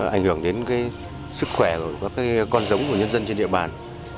ảnh hưởng đến sức khỏe và con giống của nhân dân trên địa bàn